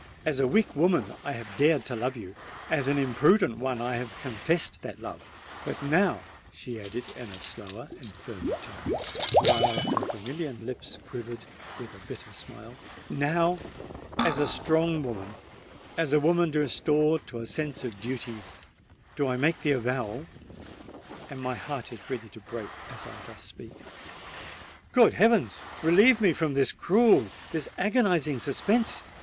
"As a weak woman, I have dared to love you—as an imprudent one, I have confessed that love;—but now," she added, in a slower and firmer tone, while her vermilion lips quivered with a bitter smile,—"now, as a strong woman—as a woman restored to a sense of duty—do I make the avowal—and my heart is ready to break as I thus speak——" "Good heavens! relieve me from this cruel—this agonizing suspense!"